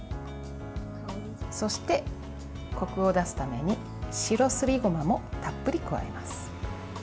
そして、こくを出すために白すりごまもたっぷり加えます。